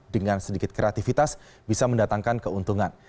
dengan sedikit kreativitas bisa mendatangkan keuntungan